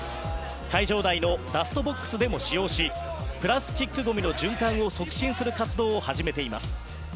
会場内のダストボックスでも使用しプラスチックごみの循環を促進する活動を始めています。